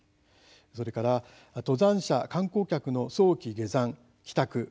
それから登山者、観光客の早期下山、帰宅